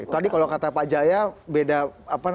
tadi kalau kata pak jaya beda apa nanti